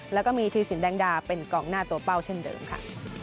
แล้วก็มีธีรสินแดงดาเป็นกองหน้าตัวเป้าเช่นเดิมค่ะ